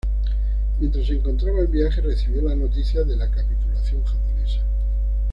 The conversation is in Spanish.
Mientras se encontraba en viaje recibió la noticia de la capitulación japonesa.